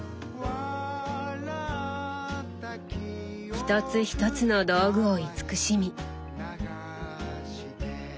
一つ一つの道具を慈しみ。